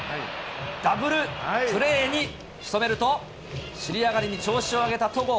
ダブルプレーにしとめると、尻上がりに調子を上げた戸郷。